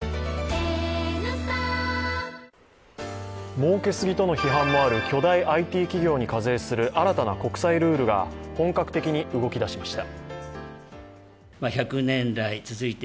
もうけすぎとの批判もある巨大ＩＴ企業に課税する新たな国際ルールが本格的に動き出しました。